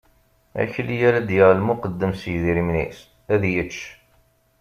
Akli ara d-yaɣ lmuqeddem s yedrimen-is, ad yečč.